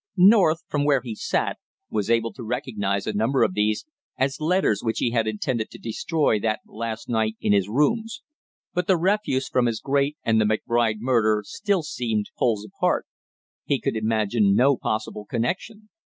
North, from where he sat, was able to recognize a number of these as letters which he had intended to destroy that last night in his rooms; but the refuse from his grate and the McBride murder still seemed poles apart; he could imagine no possible connection.